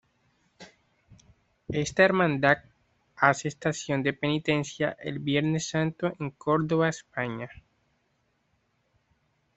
Esta hermandad hace estación de Penitencia el Viernes Santo en Córdoba, España.